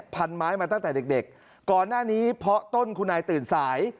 พันไม้มาตั้งแต่เด็กก่อนหน้านี้เพราะต้นคุณนายตื่นสาย